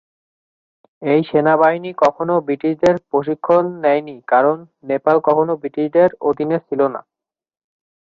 এই সেনাবাহিনী কখনো ব্রিটিশদের প্রশিক্ষণ নেয়নি কারণ নেপাল কখনো ব্রিটিশদের অধীনে ছিলোনা।